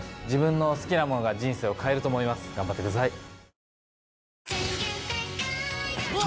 自分の好きなものが人生を変えると思います頑張ってください！